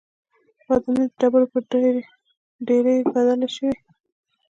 ودانۍ د ډبرو پر ډېرۍ بدلې شوې.